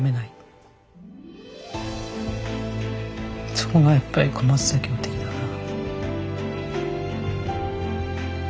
そこがやっぱり小松左京的だな。